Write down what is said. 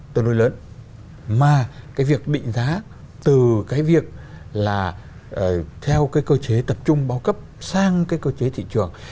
tương đối lớn mà cái việc định giá từ cái việc là theo cái cơ chế tập trung bao cấp sang cái cơ chế thị trường